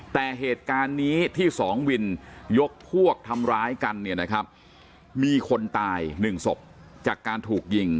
แต่เหตุการณ์นี้ที่๒วินยกพวกทำร้ายกันมีคนตาย๑ศพจากการถูกยิง